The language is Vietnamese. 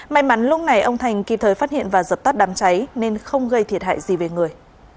may mắn lúc này ông thành kịp thời phát hiện và dập tắt đám cháy nên không gây thiệt hại gì về người